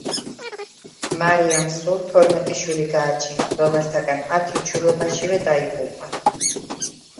მარიამ სულ თორმეტი შვილი გააჩინა, რომელთაგან ათი ჩვილობაშივე დაიღუპა.